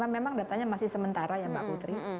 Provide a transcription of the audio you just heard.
memang datanya masih sementara ya mbak putri